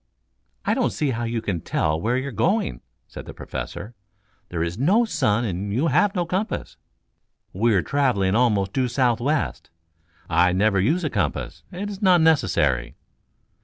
"I don't see how you can tell where you are going," said the Professor. "There is no sun and you have no compass." "We are traveling almost due southwest. I never use a compass. It is not necessary."